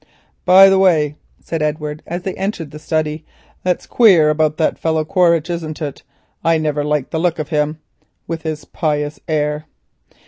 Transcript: "By the way," said Edward, as they entered the study, "that's queer about that fellow Quaritch, isn't it? I never liked the look of him, with his pious air."